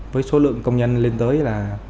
với số lượng công nhân lên tới là